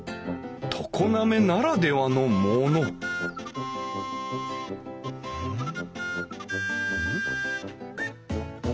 常滑ならではのものうん？